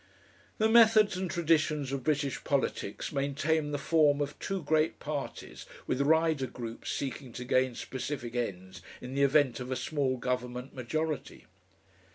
The methods and traditions of British politics maintain the form of two great parties, with rider groups seeking to gain specific ends in the event of a small Government majority.